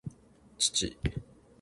父